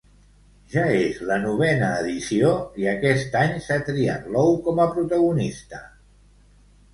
Ja és la novena edició i aquest any s'ha triat l'ou com a protagonista.